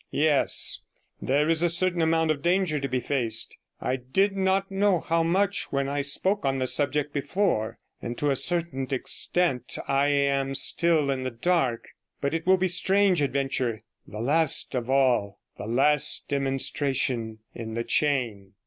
Yes, there, is a certain amount of danger to be faced; I did not know how much when I spoke on the subject before, and to a certain extent I am still in the dark. But it will be a strange adventure, the last of all, the last demonstration in the chain.'